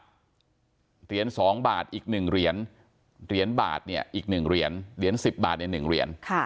เหรียญสองบาทอีกหนึ่งเหรียญเหรียญบาทเนี่ยอีกหนึ่งเหรียญเหรียญสิบบาทเนี่ยหนึ่งเหรียญ